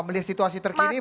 melihat situasi terkini